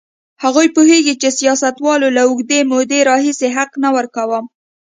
هغوی پوهېږي چې سیاستوالو له اوږدې مودې راهیسې حق نه ورکاوه.